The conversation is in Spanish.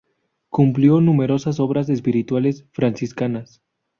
Compiló numerosas obras espirituales franciscanas.